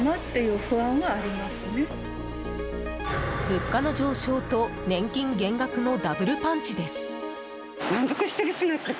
物価の上昇と年金減額のダブルパンチです。